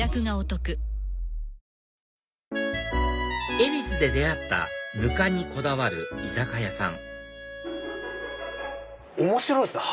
恵比寿で出会ったぬかにこだわる居酒屋さん面白いですね